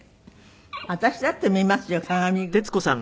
私だって見ますよ鏡ぐらいは。